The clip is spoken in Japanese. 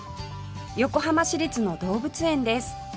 横浜市立の動物園です